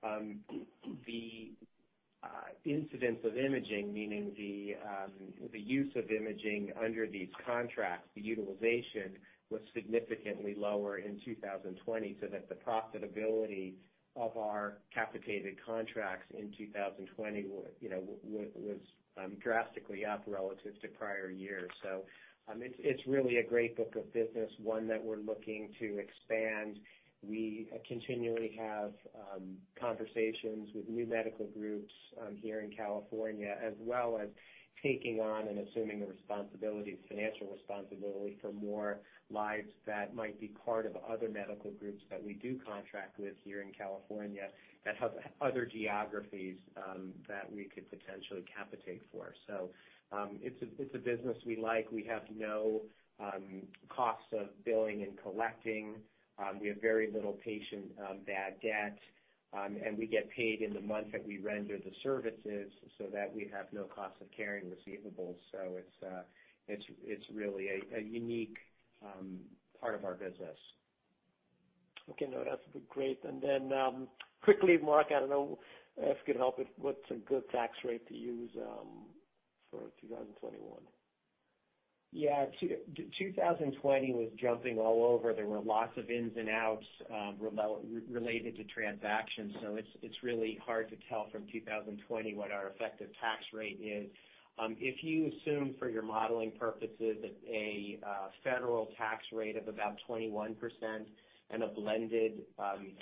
the incidence of imaging, meaning the use of imaging under these contracts, the utilization was significantly lower in 2020, so that the profitability of our capitated contracts in 2020 was drastically up relative to prior years. It's really a great book of business, one that we're looking to expand. We continually have conversations with new medical groups here in California, as well as taking on and assuming the financial responsibility for more lives that might be part of other medical groups that we do contract with here in California that have other geographies that we could potentially capitate for. It's a business we like. We have no costs of billing and collecting. We have very little patient bad debt. We get paid in the month that we render the services so that we have no cost of carrying receivables. It's really a unique part of our business. Okay, no, that's great. Quickly, Mark, I don't know if you could help with what's a good tax rate to use for 2021? Yeah. 2020 was jumping all over. There were lots of ins and outs related to transactions, so it's really hard to tell from 2020 what our effective tax rate is. If you assume for your modeling purposes a federal tax rate of about 21% and a blended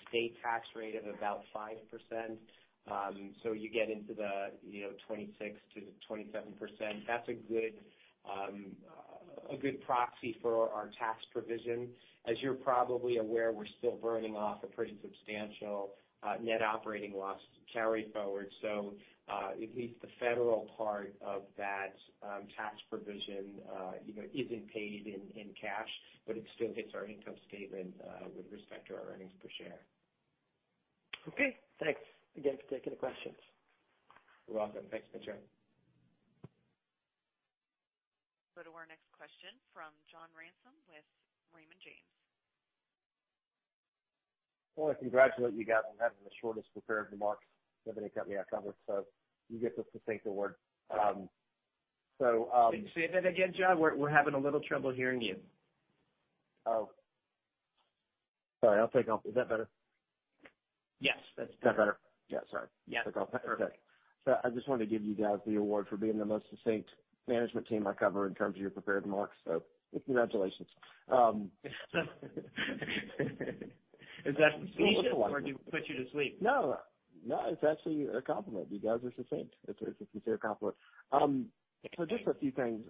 state tax rate of about 5%, so you get into the 26%-27%, that's a good proxy for our tax provision. As you're probably aware, we're still burning off a pretty substantial net operating loss carry-forward. At least the federal part of that tax provision isn't paid in cash, but it still hits our income statement with respect to our earnings per share. Okay, thanks again for taking the questions. You're welcome. Thanks, Mitra. We go to our next question from John Ransom with Raymond James. I want to congratulate you guys on having the shortest prepared remarks of any company I cover. You get the succinct award. Can you say that again, John? We're having a little trouble hearing you. Oh. Sorry, I'll take it off. Is that better? Yes. Is that better? Yeah, sorry. Okay, perfect. I just wanted to give you guys the award for being the most succinct management team I cover in terms of your prepared remarks. Congratulations. Is that succinct, or do we put you to sleep? No, it's actually a compliment. You guys are succinct. It's a sincere compliment. Just a few things.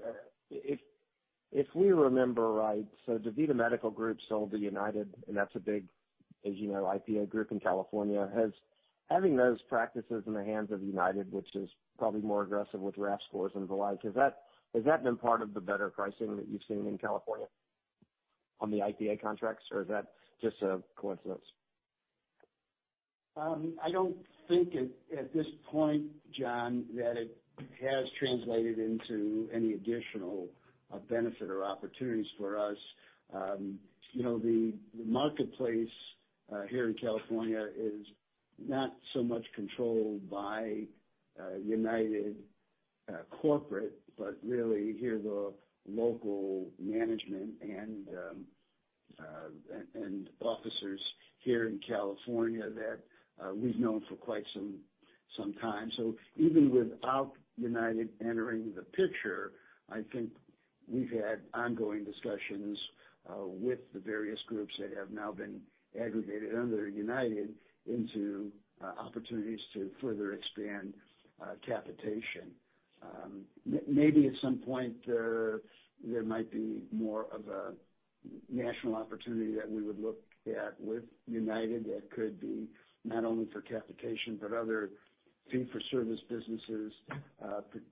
If we remember right, DaVita Medical Group sold to United, and that's a big IPA group in California. Has having those practices in the hands of United, which is probably more aggressive with RAF scores and the like, has that been part of the better pricing that you've seen in California on the IPA contracts, or is that just a coincidence? I don't think at this point, John, that it has translated into any additional benefit or opportunities for us. The marketplace here in California is not so much controlled by United corporate, but really here, the local management and officers here in California that we've known for quite some time. Even without United entering the picture, I think we've had ongoing discussions with the various groups that have now been aggregated under United into opportunities to further expand capitation. Maybe at some point, there might be more of a national opportunity that we would look at with United that could be not only for capitation, but other fee-for-service businesses,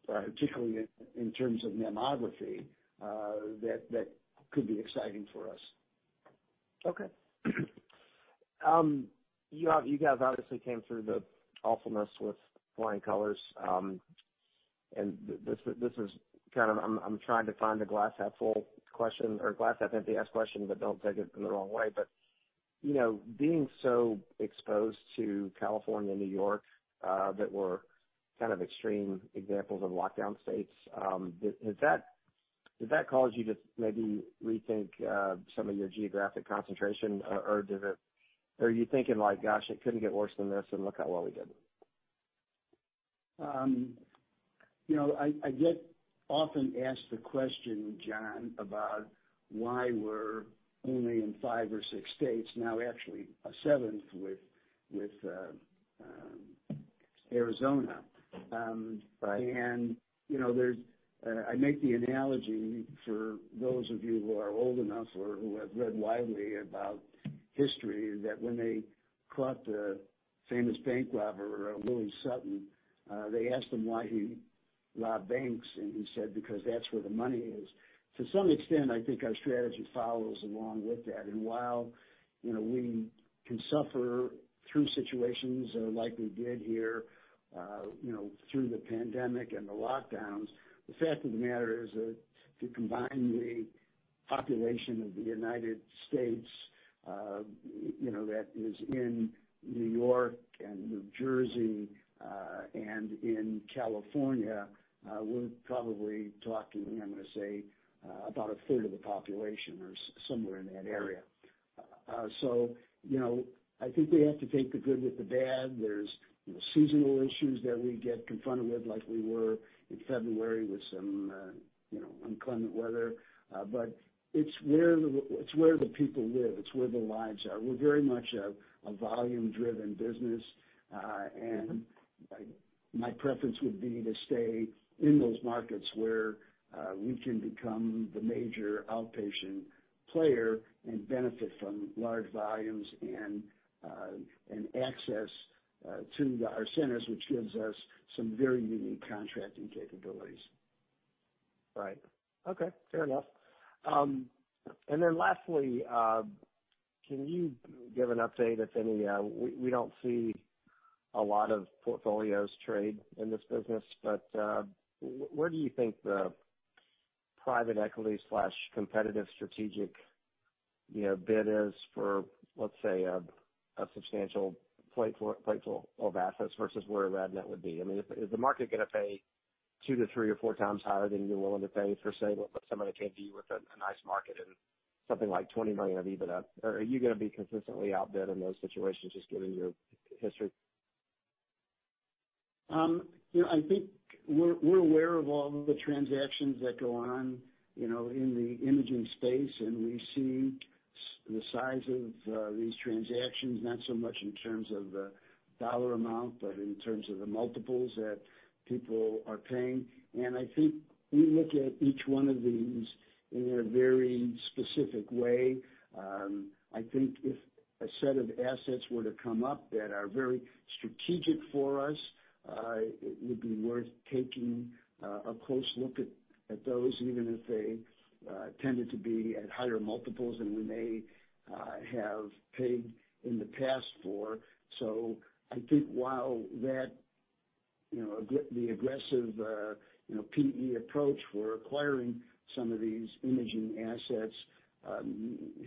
particularly in terms of mammography, that could be exciting for us. Okay. You guys obviously came through the awfulness with flying colors. I'm trying to find a glass half full question or glass half empty question, but don't take it in the wrong way. Being so exposed to California and New York, that were extreme examples of lockdown states, did that cause you to maybe rethink some of your geographic concentration? Or are you thinking like, "Gosh, it couldn't get worse than this, and look how well we did? I get often asked the question, John, about why we're only in five or six states now, actually a seventh with Arizona. I make the analogy for those of you who are old enough or who have read widely about history, that when they caught the famous bank robber, Willie Sutton, they asked him why he robbed banks, and he said, "Because that's where the money is." To some extent, I think our strategy follows along with that. While we can suffer through situations like we did here, through the pandemic and the lockdowns, the fact of the matter is that if you combine the population of the U.S. that is in New York and New Jersey, and in California, we're probably talking, I'm going to say about a third of the population or somewhere in that area. I think we have to take the good with the bad. There's seasonal issues that we get confronted with like we were in February with some inclement weather. It's where the people live. It's where the lives are. We're very much a volume-driven business. My preference would be to stay in those markets where we can become the major outpatient player and benefit from large volumes and access to our centers, which gives us some very unique contracting capabilities. Right. Okay, fair enough. Lastly, can you give an update, if any? We don't see a lot of portfolios trade in this business, but where do you think the private equity/competitive strategic bid is for, let's say, a substantial plateful of assets versus where RadNet would be? Is the market going to pay two to three or four times higher than you're willing to pay for, say, what somebody came to you with a nice market and something like $20 million of EBITDA? Are you going to be consistently outbid in those situations, just given your history? I think we're aware of all the transactions that go on in the imaging space, and we see the size of these transactions, not so much in terms of the dollar amount, but in terms of the multiples that people are paying. I think we look at each one of these in a very specific way. I think if a set of assets were to come up that are very strategic for us, it would be worth taking a close look at those, even if they tended to be at higher multiples than we may have paid in the past for. I think while the aggressive PE approach for acquiring some of these imaging assets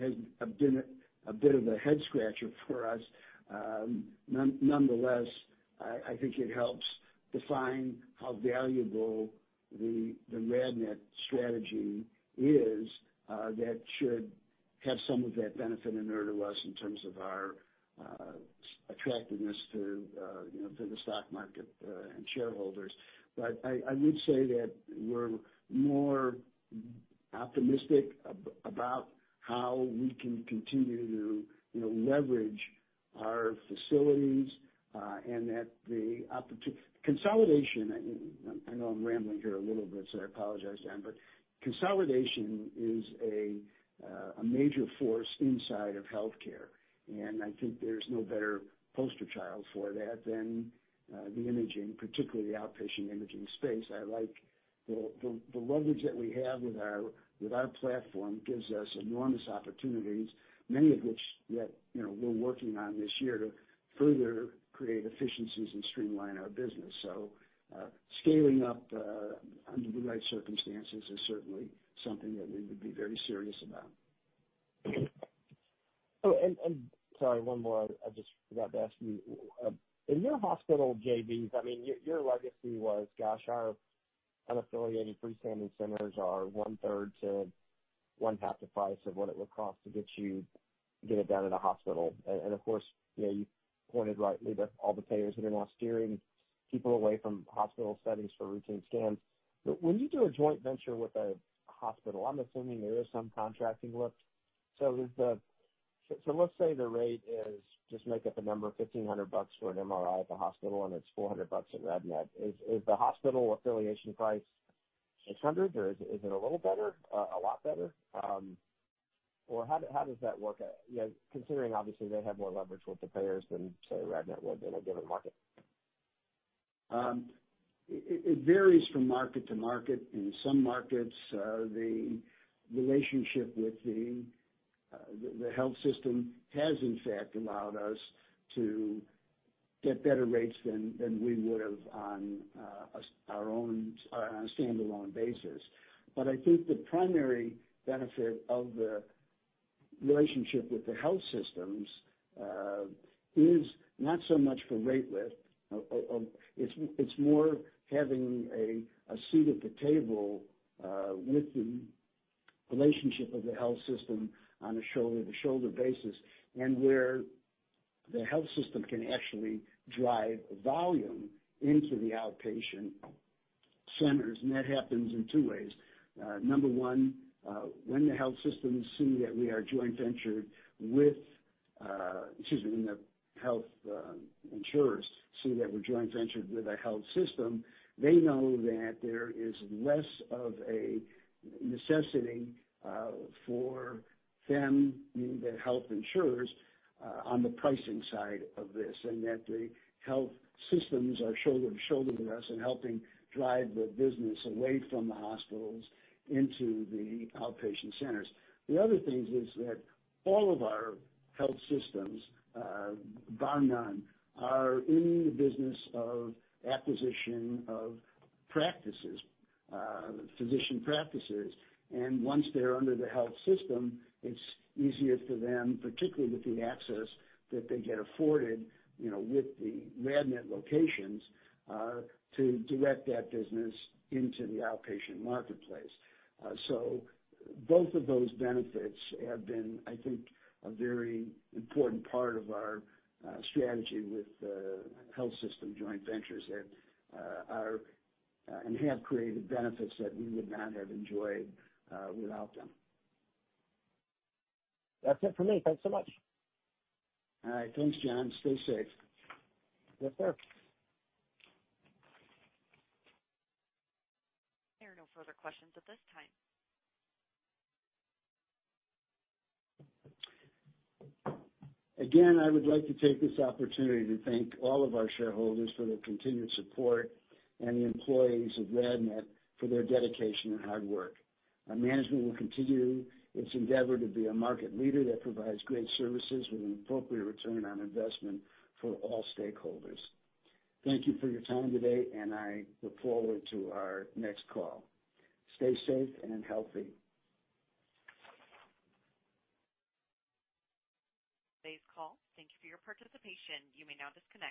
has been a bit of a head scratcher for us. Nonetheless, I think it helps define how valuable the RadNet strategy is. That should have some of that benefit inure to us in terms of our attractiveness to the stock market and shareholders. I would say that we're more optimistic about how we can continue to leverage our facilities, and that the consolidation. I know I'm rambling here a little bit, so I apologize, John. Consolidation is a major force inside of healthcare, and I think there's no better poster child for that than the imaging, particularly the outpatient imaging space. I like the leverage that we have with our platform gives us enormous opportunities, many of which that we're working on this year to further create efficiencies and streamline our business. Scaling up under the right circumstances is certainly something that we would be very serious about. Oh, sorry, one more. I just forgot to ask you. In your hospital JVs, your legacy was, gosh, our unaffiliated freestanding centers are 1/3 to 1/2 the price of what it would cost to get it done in a hospital. Of course, you pointed out rightly that all the payers are going to want steering people away from hospital settings for routine scans. When you do a joint venture with a hospital, I'm assuming there is some contracting lift. Let's say the rate is, just make up a number, $1,500 for an MRI at the hospital, and it's $400 at RadNet. Is the hospital affiliation price $600, or is it a little better? A lot better? How does that work out, considering obviously they have more leverage with the payers than, say, RadNet would in a given market? It varies from market to market. In some markets, the relationship with the health system has in fact allowed us to get better rates than we would have on a standalone basis. I think the primary benefit of the relationship with the health systems is not so much for rate lift. It's more having a seat at the table with the relationship of the health system on a shoulder-to-shoulder basis. The health system can actually drive volume into the outpatient centers, and that happens in two ways. Number one, when the health insurers see that we're joint ventured with a health system, they know that there is less of a necessity for them, meaning the health insurers, on the pricing side of this, and that the health systems are shoulder to shoulder with us in helping drive the business away from the hospitals into the outpatient centers. The other thing is that all of our health systems, bar none, are in the business of acquisition of physician practices. Once they're under the health system, it's easier for them, particularly with the access that they get afforded with the RadNet locations, to direct that business into the outpatient marketplace. Both of those benefits have been, I think, a very important part of our strategy with the health system joint ventures and have created benefits that we would not have enjoyed without them. That's it for me. Thanks so much. All right. Thanks, John. Stay safe. Yes, sir. There are no further questions at this time. Again, I would like to take this opportunity to thank all of our shareholders for their continued support and the employees of RadNet for their dedication and hard work. Management will continue its endeavor to be a market leader that provides great services with an appropriate return on investment for all stakeholders. Thank you for your time today, and I look forward to our next call. Stay safe and healthy. Thank you for your participation. You may now disconnect.